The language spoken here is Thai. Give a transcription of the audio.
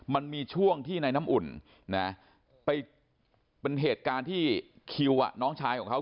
มันมีช่วงที่ในน้ำอุ่นนะไปเป็นเหตุการณ์ที่คิวน้องชายของเขา